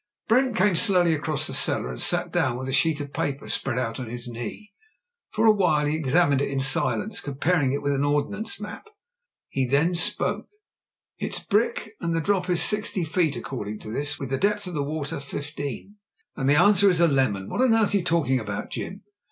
Brent came slowly across the cellar and sat down with a sheet of paper spread out on his knee. For a while he examined it in silence, comparing it with an ordnance map, and then he spoke. "It's brick, and the drop is sixty feet, according to this — ^with the depth of the water fifteen." "And the answer is a lemon. What on earth are you talking about, Jim?"